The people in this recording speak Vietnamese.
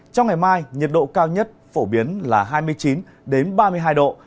trong ngày mai nhiệt độ cao nhất phổ biến là hai mươi chín ba mươi hai độ